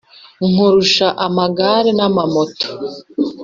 Nkurusha amagare na amamoto